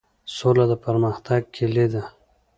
سوله د پرمختګ کیلي ده؟